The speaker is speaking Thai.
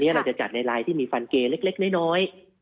นี่เราจัดในลายที่มีฟันเกลนเล็กน้อย